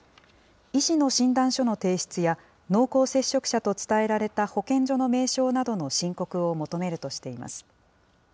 医師の診断書の提出や、濃厚接触者と伝えられた保健所の名称などの申告を求めるとしています。